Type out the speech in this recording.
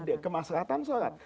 untuk kemaslahan sholat